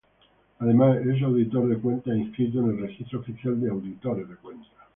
Además, es auditor de cuentas inscrito en el Registro Oficial de Auditores de Cuentas.